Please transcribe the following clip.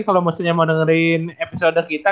kalau maksudnya mau dengerin episode gitu ya